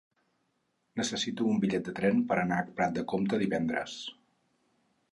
Necessito un bitllet de tren per anar a Prat de Comte divendres.